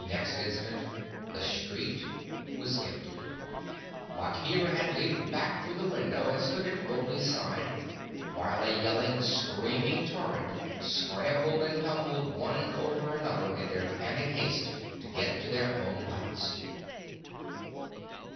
Next instant the street was empty; Bagheera had leaped back through the window, and stood at Mowgli's side, while a yelling, screaming torrent scrambled and tumbled one over another in their panic haste to get to their own huts.